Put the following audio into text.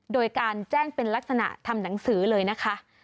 โดยการแจ้งเป็นลักษณะทำหนังสือเลยนะคะ